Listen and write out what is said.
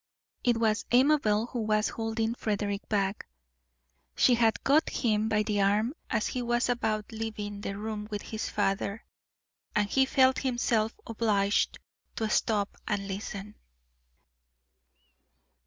It was Amabel who was holding Frederick back. She had caught him by the arm as he was about leaving the room with his father, and he felt himself obliged to stop and listen.